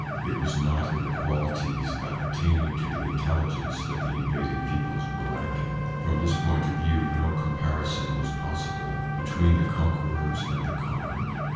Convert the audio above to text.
It was not in the qualities appertaining to the intelligence that the invaded peoples were lacking. From this point of view no comparison was possible between the con querors and the conquered.